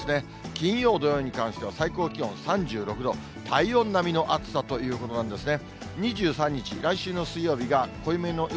金曜、土曜に関しては、最高気温３６度、体温並みの暑さということなんですね。